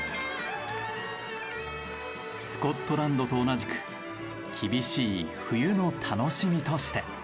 スコットランドと同じく厳しい冬の楽しみとして。